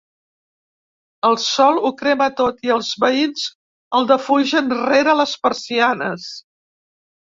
El sol ho crema tot i els veïns el defugen rere les persianes.